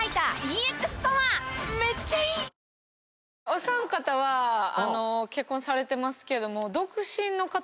お三方は結婚されてますけども。